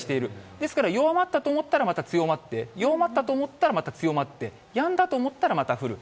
ですから、弱まったと思ったらまた強まって、弱まったと思ったらまた強まって、やんだと思ったら、また降る。